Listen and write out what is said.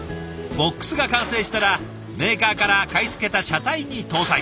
ＢＯＸが完成したらメーカーから買い付けた車体に搭載。